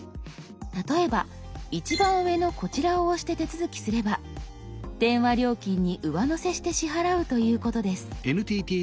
例えば一番上のこちらを押して手続きすれば電話料金に上乗せして支払うということです。